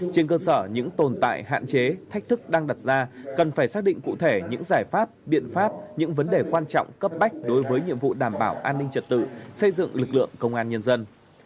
trên cơ sở những tồn tại hạn chế thách thức đang đặt ra cần phải xác định cụ thể những giải pháp biện pháp những vấn đề quan trọng cấp bách đối với nhiệm vụ đảm bảo an ninh trật tự xây dựng lực lượng công an nhân dân